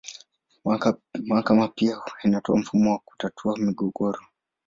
Mahakama pia inatoa mfumo wa kutatua migogoro.